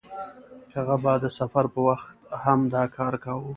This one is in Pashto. هغه به د سفر په وخت هم دا کار کاوه.